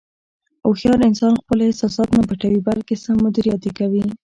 هوښیار انسان خپل احساسات نه پټوي، بلکې سم مدیریت یې کوي.